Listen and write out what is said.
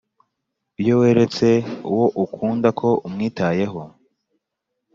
Iyo weretse uwo ukunda ko umwitayeho